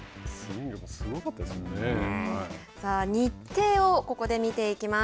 さあ日程をここで見ていきます。